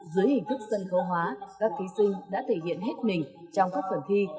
dưới hình thức sân khấu hóa các thí sinh đã thể hiện hết mình trong các phần thi